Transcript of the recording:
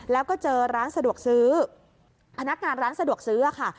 แล้วก็เจอร้านสะดวกซื้อพนักงานร้านสะดวกซื้อค่ะ